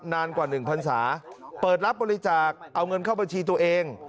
นานกว่า๑พันศาเปิดรับบริจาคเอาเงินเข้าบัญชีตัวเอง